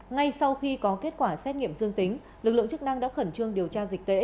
ngay sau khi có kết quả xét nghiệm dương tính lực lượng chức năng đã khẩn trương điều tra dịch tễ